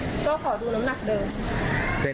ก็ขอดูน้ำหนักเดิม